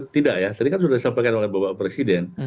tidak ya tadi kan sudah disampaikan oleh bapak presiden